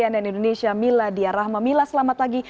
andai indonesia mila diyarahma mila selamat pagi